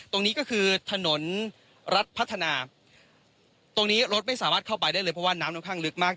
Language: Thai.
ตรงนี้ก็คือถนนรัฐพัฒนาตรงนี้รถไม่สามารถเข้าไปได้เลยเพราะว่าน้ำค่อนข้างลึกมาก